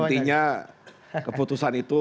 intinya keputusan itu